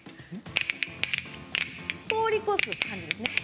通り越す感じですね。